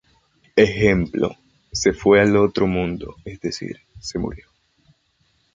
Ejemplo: "Se fue al otro mundo, es decir, se murió".